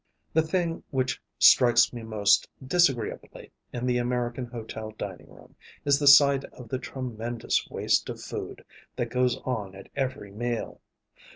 The thing which strikes me most disagreeably, in the American hotel dining room, is the sight of the tremendous waste of food that goes on at every meal.